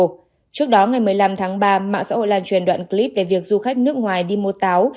trước đó ngày một mươi năm tháng ba mạng xã hội lan truyền đoạn clip về việc du khách nước ngoài đi mua táo